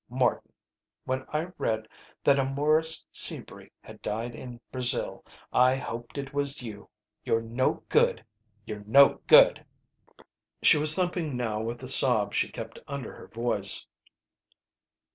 Morton, when I read that a Morris Sebree had died in Brazil, I hoped it was you! You're no good! You're no good!" She was thumping now with the sobs she kept under her voice.